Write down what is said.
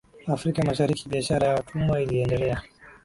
Afrika Mashariki biashara ya watumwa iliendelea